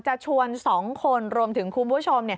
จะชวน๒คนรวมถึงคุณผู้ชม